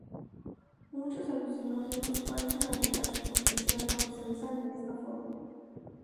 Muchos alucinógenos parecen aumentar su potencial cuando se usan en esta forma.